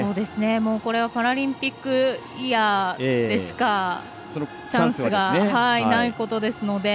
これはパラリンピックイヤーでしかチャンスがないことですので。